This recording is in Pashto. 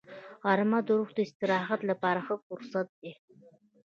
غرمه د روح د استراحت لپاره ښه فرصت دی